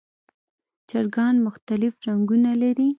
چرګان مختلف رنګونه لري.